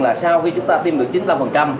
là sau khi chúng ta tiêm được chín mươi năm